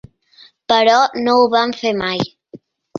Però no ho vam fer mai.